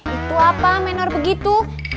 itu apa menor begitu